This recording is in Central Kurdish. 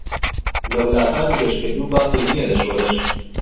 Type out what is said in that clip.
لە ولاتانی گەشکردو باسێك نییە لە شۆرش.